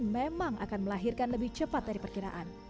memang akan melahirkan lebih cepat dari perkiraan